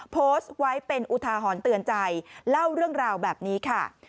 โพสต์ไว้เป็นอุทาหรณ์เตือนใจเล่าเรื่องราวแบบนี้ค่ะ